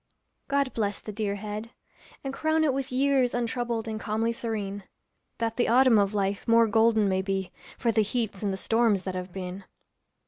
God bless the dear head! and crown it with years Untroubled and calmly serene; That the autumn of life more golden may be For the heats and the storms that have been.